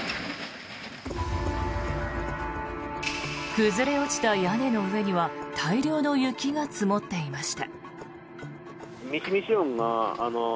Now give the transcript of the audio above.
崩れ落ちた屋根の上には大量の雪が積もっていました。